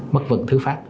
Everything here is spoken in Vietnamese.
mất vững thứ phát